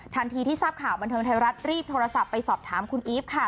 ที่ทราบข่าวบันเทิงไทยรัฐรีบโทรศัพท์ไปสอบถามคุณอีฟค่ะ